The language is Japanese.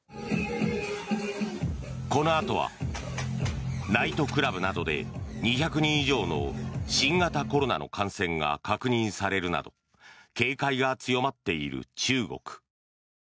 このあとはナイトクラブなどで２００人以上の新型コロナの感染が確認されるなど警戒が強まっている中国。